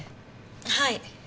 はい。